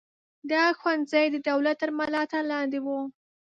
دا ښوونځي د دولت تر ملاتړ لاندې وو.